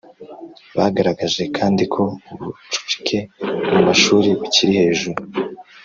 bagaragaje kandi ko ubucucike mu mashuri bukiri hejuru